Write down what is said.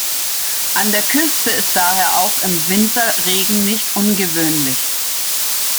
An der Küste ist daher auch im Winter Regen nicht ungewöhnlich.